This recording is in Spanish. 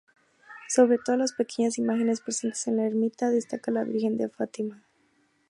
Sobre todas las pequeñas imágenes presentes en la ermita, destaca la Virgen de Fátima.